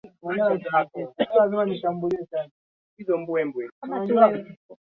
Kioo kimefunjika.